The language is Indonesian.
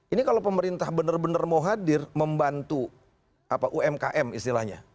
ini kalau pemerintah benar benar mau hadir membantu umkm istilahnya